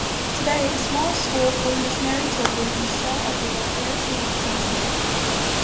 Today, a small school for missionary children in Shell, Ecuador, bears Nate Saint's name.